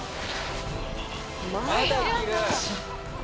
まだ着る！